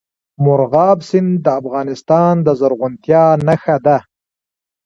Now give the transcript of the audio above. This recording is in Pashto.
مورغاب سیند د افغانستان د زرغونتیا نښه ده.